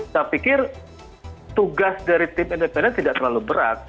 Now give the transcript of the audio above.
saya pikir tugas dari tim independen tidak terlalu berat